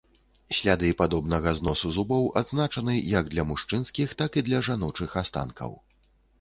Сляды падобнага зносу зубоў адзначаны як для мужчынскіх, так і для жаночых астанкаў.